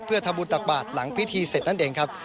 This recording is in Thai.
เพื่อทำบุญตักบาทหลังพิธีเสร็จนั่นเองครับ